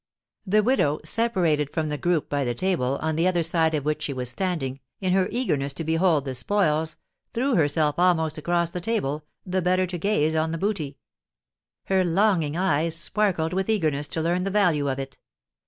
The widow, separated from the group by the table, on the other side of which she was standing, in her eagerness to behold the spoils, threw herself almost across the table, the better to gaze on the booty; her longing eyes sparkled with eagerness to learn the value of it.